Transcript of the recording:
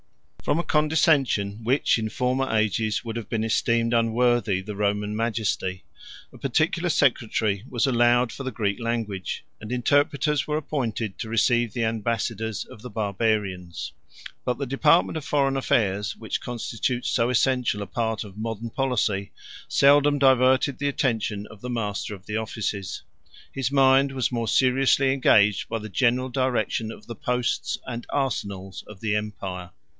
From a condescension, which in former ages would have been esteemed unworthy the Roman majesty, a particular secretary was allowed for the Greek language; and interpreters were appointed to receive the ambassadors of the Barbarians; but the department of foreign affairs, which constitutes so essential a part of modern policy, seldom diverted the attention of the master of the offices. His mind was more seriously engaged by the general direction of the posts and arsenals of the empire.